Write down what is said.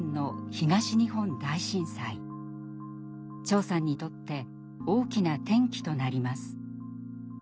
長さんにとって大きな転機となります。